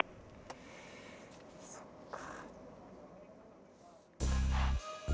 そっか。